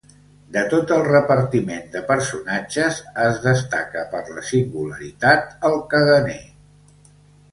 De tot el repartiment de personatges, es destaca per la singularitat el caganer.